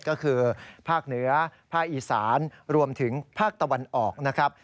ก็คือภาคเหนือภาคอีสานรวมถึงภาคตะวันออกนะครับ